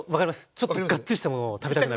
ちょっとガッツリしたものを食べたくなる。